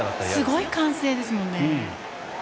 すごい歓声ですもんね。